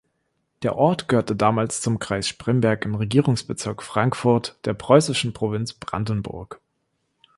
Der Ort gehörte damals zum Kreis Spremberg im Regierungsbezirk Frankfurt der preußischen Provinz Brandenburg.